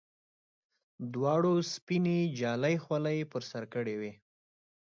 دواړو سپینې جالۍ خولۍ پر سر کړې وې.